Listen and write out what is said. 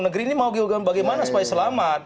negeri ini mau bagaimana supaya selamat